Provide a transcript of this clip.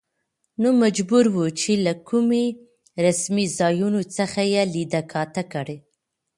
نو مجبور و، چې له کومو رسمي ځايونو څخه يې ليده کاته کړي.